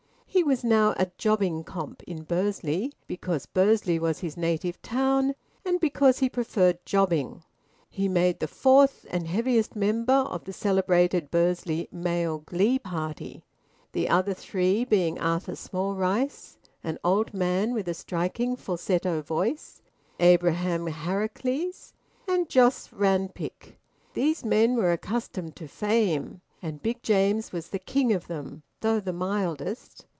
He was now a `jobbing comp' in Bursley, because Bursley was his native town and because he preferred jobbing. He made the fourth and heaviest member of the celebrated Bursley Male Glee Party, the other three being Arthur Smallrice, an old man with a striking falsetto voice, Abraham Harracles, and Jos Rawnpike (pronounced Rampick). These men were accustomed to fame, and Big James was the king of them, though the mildest.